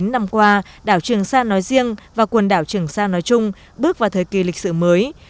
chín mươi năm qua đảo trường sa nói riêng và quần đảo trường sa nói chung bước vào thời kỳ lịch sử mới